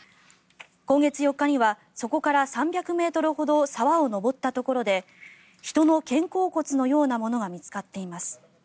今月４日にはそこから３００ｍほど沢を上ったところで人の肩甲骨のようなものが見つかっています。